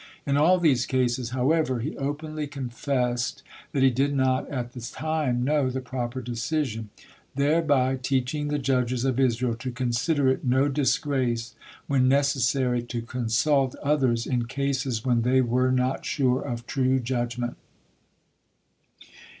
In all these cases, however, he openly confessed that he did not at the time know the proper decision, thereby teaching the judges of Israel to consider it no disgrace, when necessary, to consult others in cases when they were not sure of true judgement.